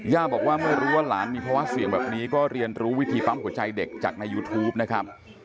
บอกว่าเมื่อรู้ว่าหลานมีภาวะเสี่ยงแบบนี้ก็เรียนรู้วิธีปั๊มหัวใจเด็กจากในยูทูปนะครับ